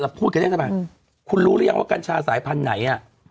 เราพูดกันเองทำไมอืมคุณรู้รึยังว่ากัญชาสายพันธุ์ไหนอ่ะ